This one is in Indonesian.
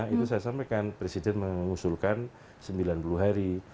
itu saya sampaikan presiden mengusulkan sembilan puluh hari